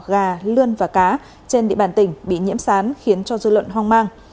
gà lươn và cá trên địa bàn tỉnh bị nhiễm sán khiến cho dư luận hoang mang